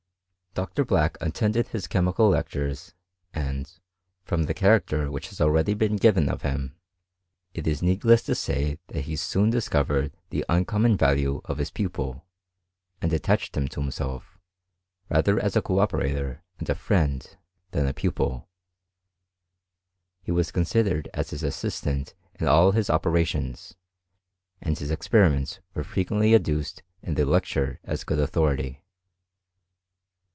Dr. Black attended his chemical lectures, and, from the character which has already been given of him, it is needless to say that he soon discovered the uncommon value of his pupil, and at tached him to himself, rather as a co operator and a friend, than a pupil. He was considered as his assist ant in all his operations, and his experiments were fre quently adduced in the lecture as good authority.